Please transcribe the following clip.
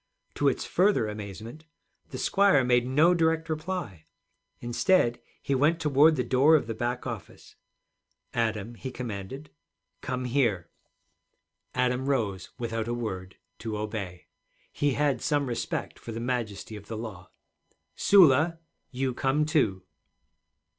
To its further amazement, the squire made no direct reply. Instead he went toward the door of the back office. 'Adam,' he commanded, 'come here.' Adam rose without a word, to obey. He had some respect for the majesty of the law. 'Sula, you come, too.'